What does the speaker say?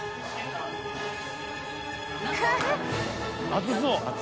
熱そう。